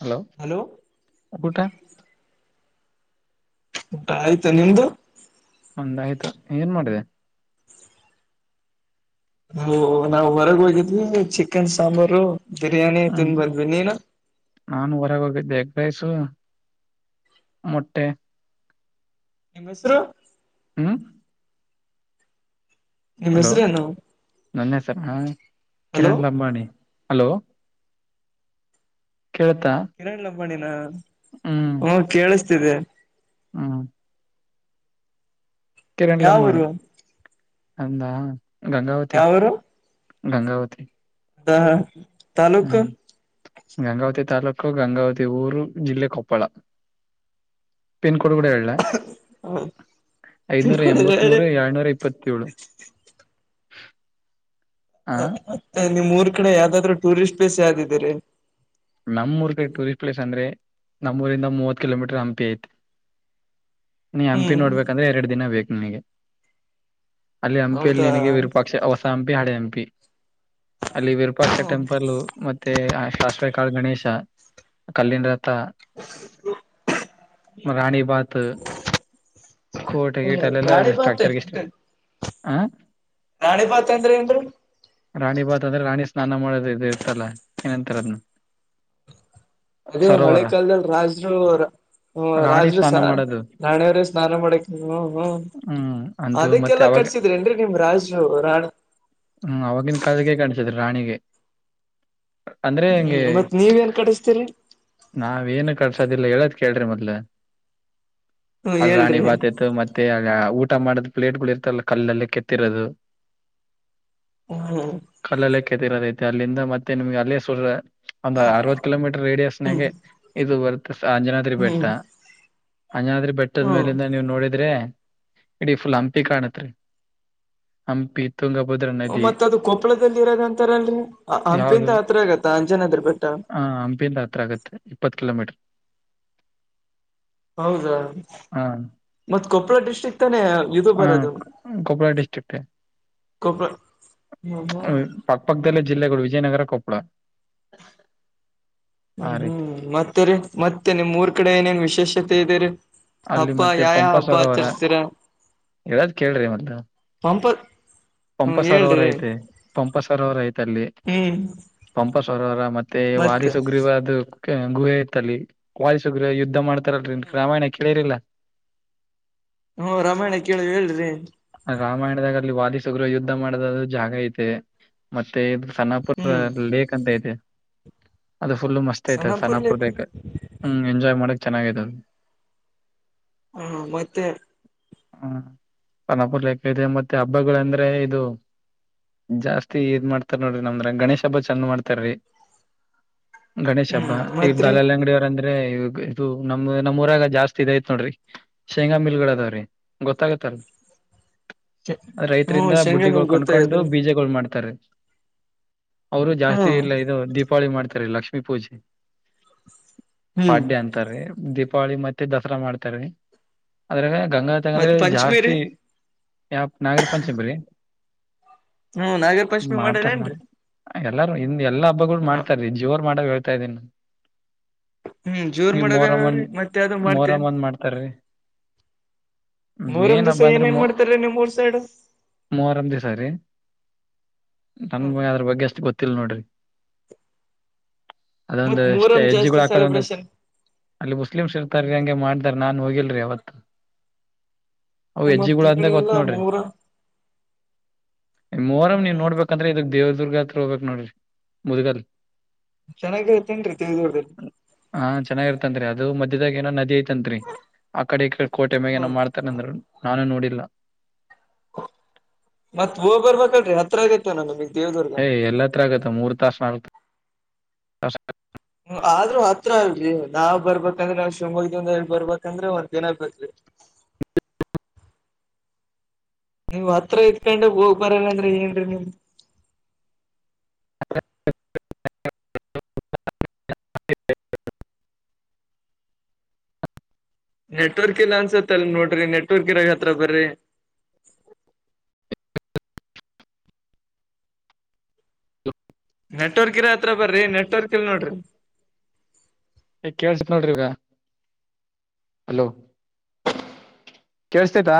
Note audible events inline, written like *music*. Hello hello ಊಟಾ. ಊಟ ಆಯ್ತು ನಿಮ್ದು. ಒಂದ್ ಆಯ್ತು ಏನ್ ಮಾಡಿದೆ ಹ ನಾವ್ ಹೊರಗ ಹೋಗಿದ್ವಿ ಚಿಕನ್ ಸಾಂಬಾರು ಬಿರಿಯಾನಿ ಹ್ಮ್ ತಿಂದು ಬಂದ್ವಿ ನೀನು ನಾನು ಹೊರಗೆ ಹೋಗಿದ್ದೆ ಎಗ್ ರೈಸು ಮೊಟ್ಟೆ ನಿಮ್ಮ ಹೆಸರು ಹ್ಮ ನಿಮ್ ಹಲೋ ಹೆಸರು ಏನು ನನ್ನ ಹೆಸರ ಕಿರಣ್ ಲಂಬಾಣಿ ಹಲೋ ಕೇಳ್ತಾ ಕಿರಣ್ ಲಂಬಾಣಿ ನಾ ಹ ಕೇಳಿಸ್ತಿದೆ ಹ್ಮ ಕಿರಣ್ ಲಂಬಾಣಿ ಯಾವರು ಅಂದ ಗಂಗಾವತಿ ಗಂಗಾವತಿ ಹ ಹ್ಮ್ ಗಂಗಾವತಿ ತಾಲೂಕು ಗಂಗಾವತಿ ಊರು ಜಿಲ್ಲೆ ಕೊಪ್ಪಳ ಪಿನ್ ಕೋಡ್ ಕೂಡ ಹೇಳಲ್ಲ ಐದನೂರ ತಿಳ್ಕೊಂಡ ಹೇಳಿ ಎಂಬತ್ತಮೂರು ಎರಡನೂರಾ ಇಪ್ ಇಪ್ಪತ್ತೇಳು ಆ ಮತ್ತೆ ನಿಮ್ಊರ್ ಕಡೆ ಯಾವ್ದಾದ್ರೂ ಟೂರಿಸ್ಟ್ ಪ್ಲೇಸ್ ಯಾವ್ದೀರಿ ನಮ್ಮೂರ್ ಕಡೆ ಟೂರಿಸ್ಟ್ ಪಲೇಸ್ ಅಂದ್ರೆ ನಮ್ಮ ಊರಿಂದ ಮೂವತ್ ಕಿಲೋಮೀಟರ್ ಹಂಪಿ ಐತಿ ನೀ ಹಂಪಿ ಹ್ಮ್ ನೋಡ್ಬೇಕಂದ್ರ ಎರಡ ದಿನ ಬೇಕ್ ನಿಮಗೆ ಅಲ್ಲಿ ಹಂಪಿಯಲ್ಲಿ ಹೌದಾ ನಿನಗೆ ವಿರೂಪಾಕ್ಷ ಹೊಸ ಹಂಪಿ ಹಳೆ ಹಂಪಿ ಅಲ್ಲಿ ವಿರೂಪಾಕ್ಷ ಹ್ಮ ಟೆಂಪಲ್ ಮತ್ತೆ ಶಶ್ವ ಕಡ್ಲೆಕಾಳ ಗಣೇಶ ಕಲ್ಲಿನ ರಥ ರಾಣಿ ಬಾತ್ ಕೋಟ್ ಗೀಟ್ ಅಲ್ಲೆಲ್ಲಾ ರಾಣಿಬಾತ್ ಸ್ಟ್ರಕ್ಚರ್ಗ ಇಷ್ಟ ಹ ನಾಣಿ ಬಾತ್ ಅಂದ್ರ ನ್ರಿ ರಾಣಿ ಭಾತ್ ಅಂದ್ರೆ ರಾಣಿ ಸ್ನಾನ ಮಾಡೋದ ಇದು ಇರ್ತಲ್ಲ ಏನಂತಾರೆ ಅದ್ನು ಅದೇ ಹಳೆ ಕಾಲ್ದಲ್ಲಿ ರಾಜರು ಹ್ಮ ರಾಣಿ ರಾಜರುಸ ಸ್ನಾನ ಮಾಡೋದು ನಾಣಿಯವ್ರ ಸ್ನಾನ ಮಾಡಕ್ ಹ ಹ್ಮ್ ಹ್ಮ್ ಅದು ಮತ್ತೆ ಅದಕ್ಕೆಲ್ಲಾ ಅವಾಗ ಕಟ್ಸಿದ್ರಿ ಏನ್ರಿ ನಿಮ್ ರಾಜು ರಾಣ. ಹ್ಮ್ ಅವವಾಗಿನ ಕಾಲಕ್ಕೆ ಕಟ್ಸಿದ್ರು ರಾಣಿಗೆ ಅಂದ್ರೆ ಹ್ಮ ಮತ್ ನೀವ ಏನ್ ಕಡಸ್ತಿರಿ. ನಾವೇಏನು ಕಟ್ಸೊದಿಲ್ಲ ಹೇಳೋದ ಕೇಳ್ರಿ ಮೊದ್ಲು ಹ್ಮ ಅಲ್ ರಾಣಿ ಹೇಳ್ರಿ ಬಾತ್ತ್ತು ಮತ್ ಮ ಆಗ ಊಟ ಮಾಡದ್ ಪ್ಲೇಟ್ ಗಳು ಇರ್ತಲ್ಲ ಕಲ್ಲಲ್ಲಿ ಕೆತ್ತಿರೋದು. ಹ್ಮ್ಮ ಕಲ್ಲಲ್ಲಿ ಕತ್ತಿರೋದೈಐತೆ ಅಲ್ಲಿಂದ ಮತ್ತೆ ನಿಮ್ಗೆ ಅಲ್ಲೇ ಸುರ ಒಂದ್ ಅರವತ್ತು ಕಿಲೋಮೀಟರ್ ರೇಡಿಯಸ್ ಹ್ಮ್ ಇದು ಬರುತ್ತ ಅಂಜನಾದ್ರಿ ಬೆಟ್ಟ ಹ್ಮ್ ಅಂಜನಾದ್ರಿ ಬೆಟ್ ದ ಹ್ಮ್ ಮೇಲಿಂದ ನೀವು ನೋಡಿದ್ರೆ ಇಡೀ ಫುಲ್ ಹಂಪಿ ಕಾಣತ್ರಿ ಹಂಪಿ ತುಂಗಭದ್ರಾ ನದಿ ಮತ್ತದ ಅದು ಕೊಪ್ಪಳದಲ್ಲಿ ಇರೋದಂತಾರಲ್ರಿ ಹಂಪಿಂದ ಹತ್ರ ಆಗತ್ತ ಅಂಜನಾದ್ರಿ ಬೆಟ್ಟ. ಹಾ ಹಂಪಿಯಿಂದ ಹತ್ರ ಆಗತ್ತೆ ಇಪ್ಪತ್ ಕಿಲೋಮೀಟರ್. ಹೌದಾ ಹ ಮತ್ ಕೊಪ್ಪಳ ಡಿಸ್ಟ್ರಿಕ್ ತಾನೇ ಇದು ಹ ಬರದು. ಕೊಪ್ಪಳ ಡಿಸ್ಟ್ರಿಕ್ಟ್. ಕಪ ಹ *inaudible* *unintelligible* ಪಕ್ಕ ಪಕ್ಕದಲ್ಲೇ ಜಿಲ್ಲೆಗಳು ವಿಜಯನಗರ ಕೊಪ್ಪಳ. ಹ್ಮ್, ಆ ರೀತಿ ಹ್ಮ್ ಮತ್ತರಿ ಮತ್ತೆ ನಿಮ್ಮೂರ್ ಕಡೆ ಏನೇನ್ ವಿಶೇಷತೆ ಇದೆೇರಿ. ಅಲ್ಲಿ ಹಬ್ಬಾ ಮತ್ತೆ ಯಾ, ಯಾ ಪಂಪ ಹಬ್ಬ ಸರೋವರ ಆಚರಿಸ್ತೀರ ಹೇಳದ್ ಕೇಳ್ರಿ ಮೊದ್ಲು *unintelligible* ಪಂಪ ಹ್ಮ ಪಂಪ ಸರೋವರ ಹೇಳ್ರಿ ಐತೆ, ಪಂಪ ಸರೋವರ ಐತೆ ಅಲ್ಲಿ. ಹ್ಮ್ ಪಂಪ ಸರೋವರ ಮತ್ತೆ ವಾಲಿ ಸುಗ್ರೀವದು. ಗುಹೆ ಇತ್ತಲ್ಲಿ ವಾಲಿ ಸುಗ್ರೀವ ಯುದ್ಧ ಮಾಡ್ತಾರಲ್ರಿ ರಾಮಾಯಣ ಕೇಳಿರಿಲ್ಲ. ಹ್ಮ್, ರಾಮಾಯಣ ಕೇಳಿವಿ ಹೇಳ್ರಿ ರಾಮಾಯಣದಾಗ ಅಲ್ಲಿ ವಾಲಿ, ಸುಗ್ರೀವ ಯುದ್ಧ ಮಾಡದಾದ ಜಾಗ ಐತೆ. ಮತ್ತೆ ಸನ್ನಾಪುರ್ ಹ್ಮ್ ಲೇಕ್ ಅಂತ ಇದೆ ಅದು ಫುಲ್ಲು ಮಸ್ತ್ ಸ್ಟೇಟಸ್ ಸನಪುರ್ಲೇಕು ಸನ್ನಪೂರಕ ‌‌ಹ್ಮ್, ‌ಎಂಜಾಯ್ ಮಾಡಕ್ ಚೆನ್ನಾಗಿದೆ ಅದ. ಹ್ಮ್, ಮತ್ತೆ ಹಾ, ಅನ್ನಪುರ್ಲ *unintelligible* ಕ್ಕ ಇದೆ ಮತ್ತೆ ಹಬ್ಬಗಳ ಅಂದ್ರೆ ಇದು ಜಾಸ್ತಿ ಇದ್ ಮಾಡ್ತಾರ ನೋಡ್ರಿ ನಮ್ಮ್ದ್ರಾಗ ಗಣೇಶ ಹಬ್ಬ ಚಂದ ಮಾಡ್ತಾರಿ. ಗಣೇಶ್ ಹಬ್ಬ ಹ್ಮ್ ಈ ಮತ್ರಿ ದಲಾಲ್ ಅಂಗಡಿವರಂದ್ರ ಏ ಇದು ನಮ್ ನಮ ಊರಾಗ ಜಾಸ್ತಿ ಇದೈತ್ ನೋಡ್ರಿ ಶೇಂಗಾ ಮಿಲ್ ಗಳ ಅದಾವ್ರೀ ಗೊತ್ತಾಗತ್ತಲ್ ಹ್ಮ್ ರೈತರಿಂದ ಶಂಗಮ ಬುಡ್ಡಿಗಳು ಕೊಂಡ್ಕೊಂಡು ಗೊತ್ತಾಗದ್ರಿ ಬೀಜ ಮಾಡ್ತಾರೆ. ಅವರು ಜಾಸ್ತಿ ಹ್ಮ್ ಇಲ್ಲ ಇದು ದೀಪ್ ದೀಪಾಳಿ ಮಾಡ್ತಾರೆ ಲಕ್ಷ್ಮೀ ಪೂಜೆ ಹ್ಮ್ ಪಾಡ್ಯ ಅಂ ಡ್ತಾರೆ. ದೀಪಾವಳಿ ಮತ್ತೆ ದಸರಾ ಮಾಡ್ತಾರೆ ಅದ್ರಾಗ ಗಂಗಾವತಿಯಾಗ್ ಮತ್ ಅಂದ್ರೆ ಪಂಚಮಿ ಜಾಸ್ತಿ ರೀ ಯಾಬ *unintelligible* ನಾಗರ ಪಂಚಮಿರಿ ಹ್ಮ್, ನಾಗರ ಪಂಚಮಿ ಮಾಡ್ತಾರ ಮಾಡರೆನ್ರಿ ನೋಡಿ ಎಲ್ಲಾರು ಇಂದ ಎಲ್ಲಾ ಹಬ್ಬಗಳು ಮಾಡ್ತಾರಿ ಜೋರ್ ಮಾಡವ್ ಹೇಳ್ತಾ ಇದ್ದೀನಿ. ನಾ ಹ್ಮ್ ಜೋರ್ ನೀ ಮೊರಮ್ಮ ಒನ್, ಮಾಡವ್ರಿ ಮತ್ತೆ ಅದು ಮಾಡ್ತೇ ಮೊರಮ್ಮ ಒಂದ ಮಾಡ್ತಾರೀ. ಮೊಹರಂ ಮೇನ್ ದಿವಸ ಹಬ್ಬ ಅಂದ್ರೆ ಏನೇನ್ ಮೊ ಮಾಡ್ತಾರಿ ನಿಮ್ಮೂರ ಸೈಡ್ ಮೊಹರಂ ದಿವ್ಸ ರೀ ನಗ್ ಹ್ಮ ಅದ್ರ ಬಗ್ಗೆ ಅಷ್ಟ ಗೊತ್ತಿಲ್ಲ ನೋಡ್ರಿ ಮತ್ ಅದೊಂದು ಎಷ್ಟೇ ಮೂರಂ ಜಾಸ್ತಿ ಹೆಜ್ಜಿಗಳು ಹಾಕದ ಒಂದು ಸೆಲೆಬ್ರೇಷನ್ ಅಲ್ಲಿ ಮುಸ್ಲಿಮ್ಸ್ ಇರ್ತಾರೀ ಹಂಗೆ ಮಾಡ್ದಾರ್ ನಾನ್ ಹೋಗಿಲ್ರಿ ಯಾವತ್ತು. ಅವ ಮತ್ ಹೆಜ್ಜಿಗೊಳ್ ಈ ಒಂದೆ ಕಡೆ ಗೊತ್ ಎಲ್ಲಾ ನೋಡ್ರಿ ಮೂರ ಹ್ಮ್ ಮೊಹರಂ ನೀವ ನೋಡ್ಬೇಕ ಅಂದರೆ ಇದಕ್ ದೇವದುರ್ಗ ಹತ್ರ ಹೋಗಬೇಕ್ ನೋಡ್ರಿ ಮುದಗಲ್ ಚೆನ್ನಾಗಿರುತ್ತೇನ್ರರಿ ತಿಳಿದಿಲ್ರಿ ಹಾ, ಚೆನ್ನಾಗಿ ಇರ್ತನ್ರಿ ಅದು ಮಧ್ಯದಾಗ ಏನೋ ನದಿ ಐತಂತ್ರಿ ಆಕಡೆ ಈಕಡೆ ಕೋಟೆ ಮ್ಯಾಗ ಏನೋ ಹ್ಮ್ ಮಾಡ್ತ *unintelligible* ನಾನು ನೋಡಿಲ್ಲ. ಮತ್ ಹೋಗ್ ಬರ್ಬೇಕಲ್ರಿ ಹತ್ರಾಗ ನಮಗೆ ದೇವದರು *unintelligible* ಏಯ್ ಎಲ್ಲಿಹತ್ರ ಆಗತ್ತ ಮೂರ್ ತಾಸ ನ ಹ್ಮ್, ಆದ್ರೂ ಹತ್ರ ಅಲ್ರಿ ನಾವ್ ಬರ್ಬೇಕಂದ್ರೆ ನಾವ್ ಶಿವಮೊಗ್ಗ ದಿಂದ ಬರ್ಬೇಕಂದ್ರೆ ಒಂದ್ ದಿನ ಬೆಕ್ರಿ. ನೀವ್ ಹತ್ರ ಇದ್ಕೋಂಡ ಹೋಗ್ ಬರಲ್ಲ ಅಂದ್ರ ಏನ್ರೀ ನಿಮ್ *inaudible* ನೆಟ್ವರ್ಕ್ ಇಲ್ಲ ಅನ್ಸತ್ತೆ ಅಲ್ ನೋಡ್ರಿ ನೆಟ್ವರ್ಕ್ ಇರಾಗ ಹತ್ರ ಬರ್ರಿ. ನೆಟ್ವರ್ಕ್ ಇರ ಹತ್ರ ಬರ್ರಿ ನೆಟ್ವರ್ಕ್ ಇಲ್ ನೋಡ್ರಿ ಏ ಕೇಳ್ಸತ ನೋಡರಿ ಇವಾಗ. ಹಲೋ ಕೇಳಸ್ತೈತಾ